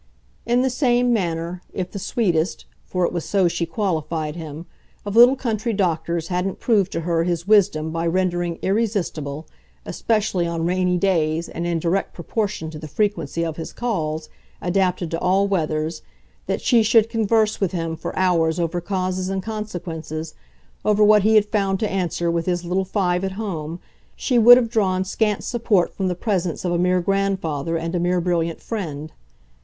In the same manner, if the sweetest for it was so she qualified him of little country doctors hadn't proved to her his wisdom by rendering irresistible, especially on rainy days and in direct proportion to the frequency of his calls, adapted to all weathers, that she should converse with him for hours over causes and consequences, over what he had found to answer with his little five at home, she would have drawn scant support from the presence of a mere grandfather and a mere brilliant friend.